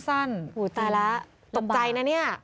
ตายแล้วตกใจนะ